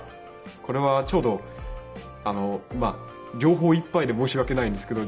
これはちょうど情報いっぱいで申し訳ないんですけど。